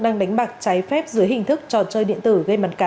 đang đánh bạc trái phép dưới hình thức trò chơi điện tử gây mặt cá